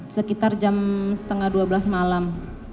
sekitar jam setengah dua belas malam